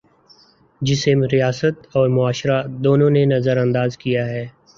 جسے ریاست اور معاشرہ، دونوں نے نظر انداز کیا ہے۔